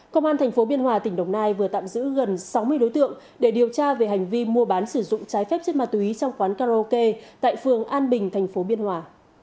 công an tp biên hòa tỉnh đồng nai vừa tạm giữ gần sáu mươi đối tượng để điều tra về hành vi mua bán sử dụng trái phép chất ma túy trong quán karaoke tại phường an bình thành phố biên hòa